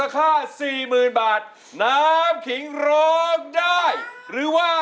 คืนนี้โอเคทัดหน้า